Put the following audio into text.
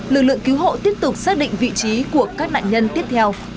lực lượng cứu hộ tiếp tục xác định vị trí của các nạn nhân tiếp theo